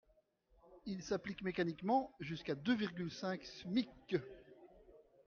Il s’applique mécaniquement, jusqu’à deux virgule cinq SMIC.